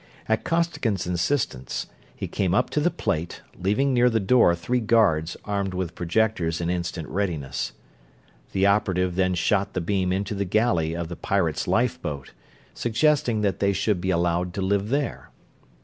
At Costigan's insistence, he came up to the plate, leaving near the door three guards armed with projectors in instant readiness. The operative then shot the beam into the galley of the pirate's lifeboat, suggesting that they should be allowed to live there.